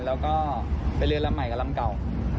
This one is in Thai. แล้วก็เป็นเรือนลำใหม่กับลำเก่า